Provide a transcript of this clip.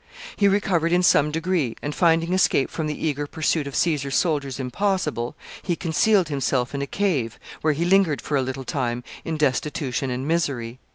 He recovered in some degree, and, finding escape from the eager pursuit of Caesar's soldiers impossible, he concealed himself in a cave, where he lingered for a little time in destitution and misery.